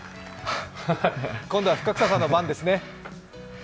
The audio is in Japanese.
今度は深草さんの番ですね。